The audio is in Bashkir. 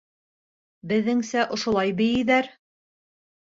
Беҙҙеңсә ошолай бейейҙәр!